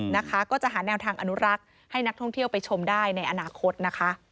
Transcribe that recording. นะคะก็จะหาแนวทางอนุรักษ์ให้นักท่องเที่ยวไปชมได้ในอนาคตนะคะ